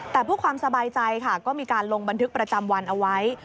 แต่เพื่อความสบายใจค่ะก็มีการลงบันทึกประจำวันเอาไว้